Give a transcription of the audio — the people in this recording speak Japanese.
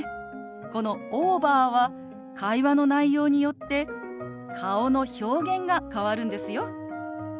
この「オーバー」は会話の内容によって顔の表現が変わるんですよ。